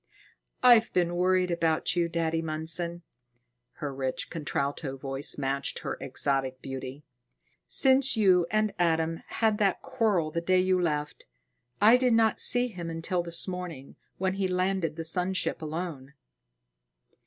"I've been worried about you, Daddy Mundson." Her rich contralto voice matched her exotic beauty. "Since you and Adam had that quarrel the day you left, I did not see him until this morning, when he landed the sun ship alone."